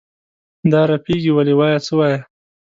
دا رپېږې ولې؟ وایه څه وایې؟